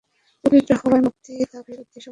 পবিত্র হওয়াই মুক্তিলাভের অতি সহজ পথ।